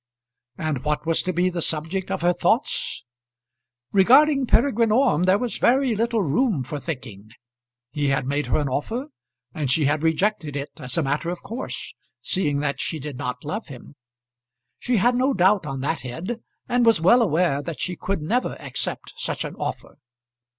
And what was to be the subject of her thoughts? Regarding Peregrine Orme there was very little room for thinking. He had made her an offer, and she had rejected it as a matter of course, seeing that she did not love him. She had no doubt on that head, and was well aware that she could never accept such an offer.